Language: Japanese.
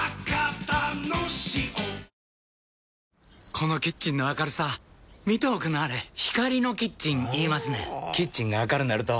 このキッチンの明るさ見ておくんなはれ光のキッチン言いますねんほぉキッチンが明るなると・・・